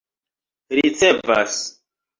ricevas